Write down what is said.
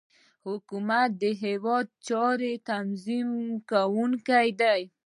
حکومت د هیواد د چارو تنظیمونکی دی